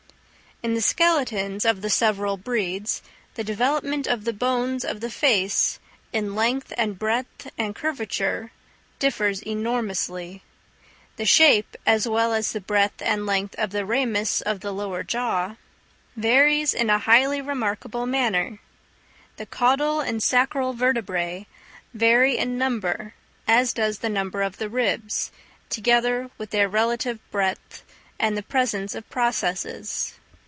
In the skeletons of the several breeds, the development of the bones of the face, in length and breadth and curvature, differs enormously. The shape, as well as the breadth and length of the ramus of the lower jaw, varies in a highly remarkable manner. The caudal and sacral vertebræ vary in number; as does the number of the ribs, together with their relative breadth and the presence of processes.